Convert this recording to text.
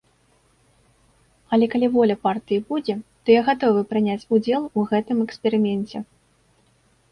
Але калі воля партыі будзе, то я гатовы прыняць удзел у гэтым эксперыменце.